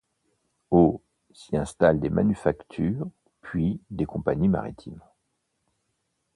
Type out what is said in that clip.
Au s'y installent des manufactures, puis des compagnies maritimes.